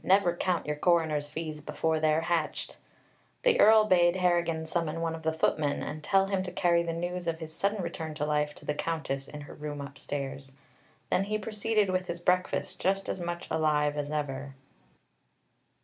Never count your coroner's fees before they're hatched!" The Earl bade Harrigan summon one of the footmen and tell him to carry the news of his sudden return to life to the Countess in her room upstairs. Then he proceeded with his breakfast, just as much alive as ever.